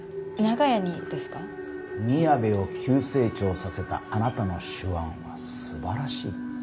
みやべを急成長させたあなたの手腕は素晴らしい。